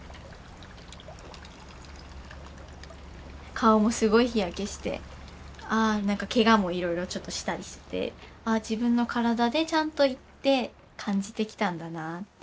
顔もすごい日焼けしてけがもいろいろちょっとしたりして自分の体でちゃんと行って感じてきたんだなって。